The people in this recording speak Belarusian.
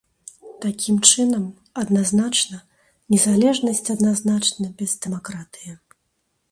Такім чынам, адназначна незалежнасць адназначна без дэмакратыі.